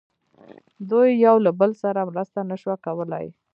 دوی یو له بل سره مرسته نه شوه کولای.